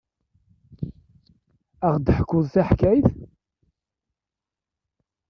Ad aɣ-d-teḥkuḍ taḥkayt?